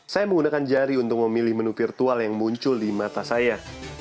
saya menggunakan jari untuk memilih menu virtual yang muncul di mata saya